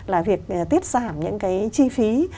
là việc tiết giảm những cái chi phí